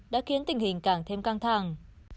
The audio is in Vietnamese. đã khiến tình hình càng thêm căng thẳng